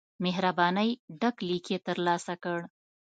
مهربانی ډک لیک مې ترلاسه کړ.